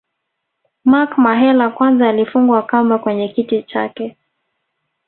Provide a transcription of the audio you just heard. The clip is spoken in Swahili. Mark Mahela kwanza alifungwa kamba kwenye kiti chake